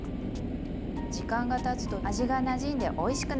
時間がたつと味がなじんでおいしくなります。